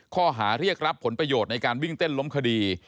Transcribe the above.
ข้อหาเรียกรับผลประโยชน์ในการวิ่งเต้นล้มคดี